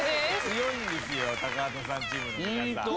強いんですよ高畑さんチームの皆さん。